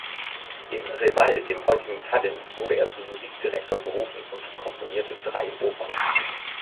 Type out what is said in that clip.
In Reval, dem heutigen Tallinn, wurde er zum Musikdirektor berufen und komponierte drei Opern.